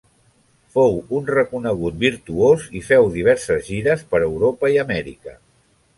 Fou un reconegut virtuós i féu diverses gires per Europa i Amèrica.